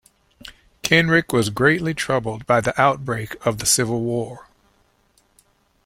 Kenrick was greatly troubled by the outbreak of the Civil War.